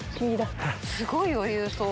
すごい余裕そう。